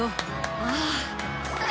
ああ。